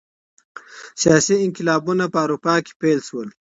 سیاسي انقلابونه په اروپا کي پیل سول.